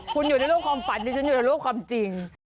คุณอยู่ในรูปความฝันที่ฉันอยู่ในรูปความจริง